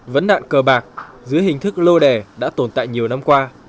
vấn đạn cờ bạc dưới hình thức lô đẻ đã tồn tại nhiều năm qua